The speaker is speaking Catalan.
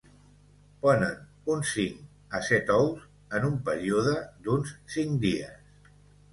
Ponen uns cinc a set ous en un període d'uns cinc dies.